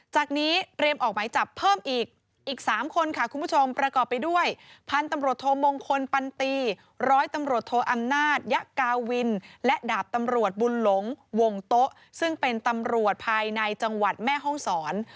จากนี้เตรียมออกหมายจับเพิ่มอีกอีก๓คนค่ะคุณผู้ชมประกอบไปด้วยพันธุ์ตำรวจโทมงคลปันตีร้อยตำรวจโทอำนาจยะกาวินและดาบตำรวจบุญหลงวงโต๊ะซึ่งเป็นตำรวจภายในจังหวัดแม่ห้องศร